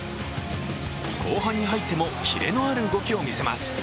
後半に入ってもキレのある動きを見せます。